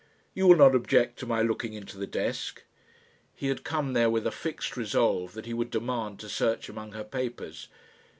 You will not object to my looking into the desk?" He had come there with a fixed resolve that he would demand to search among her papers.